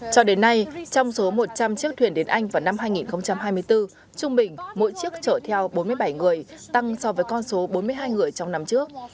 cho đến nay trong số một trăm linh chiếc thuyền đến anh vào năm hai nghìn hai mươi bốn trung bình mỗi chiếc chở theo bốn mươi bảy người tăng so với con số bốn mươi hai người trong năm trước